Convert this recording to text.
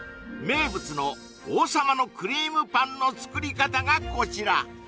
名物の王様のクリームパンの作り方がこちら